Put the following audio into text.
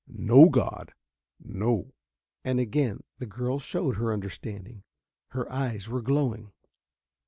"No god no!" And again the girl showed her understanding. Her eyes were glowing.